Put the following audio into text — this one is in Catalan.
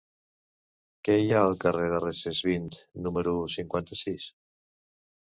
Què hi ha al carrer de Recesvint número cinquanta-sis?